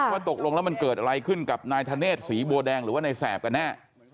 ตกลงแล้วมันเกิดอะไรขึ้นกับนายธเนธศรีบัวแดงหรือว่านายแสบกันแน่